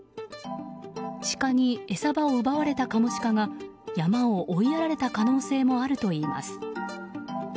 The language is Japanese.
シカに餌場を奪われたカモシカが山を追いやられた可能性もあるといいます。